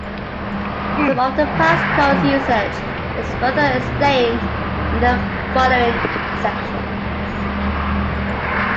Some of the past code usage is further explained in the following sections.